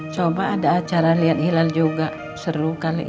coba ada acara lihat hilal juga seru kali ya